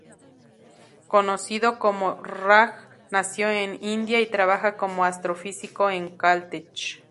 Conocido como "Raj" nació en India y trabaja como astrofísico en Caltech.